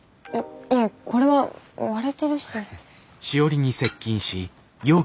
いえこれは割れてるし。